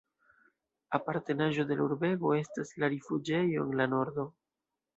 Apartenaĵo de la urbego estas la rifuĝejo en la nordo.